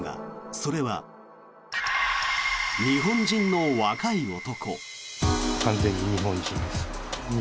それは、日本人の若い男。